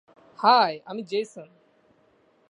High, আমি Jason!